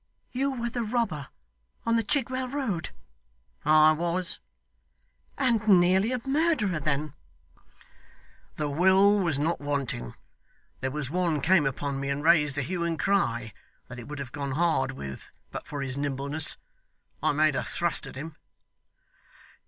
'You were the robber on the Chigwell road.' 'I was.' 'And nearly a murderer then.' 'The will was not wanting. There was one came upon me and raised the hue and cry, that it would have gone hard with, but for his nimbleness. I made a thrust at him.